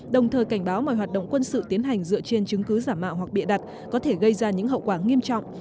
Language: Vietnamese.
đồng thời cảnh báo mọi hoạt động quân sự tiến hành dựa trên chứng cứ giả mạo hoặc bịa đặt có thể gây ra những hậu quả nghiêm trọng